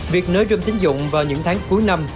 việc nới rươm tính dụng vào những tháng cuối năm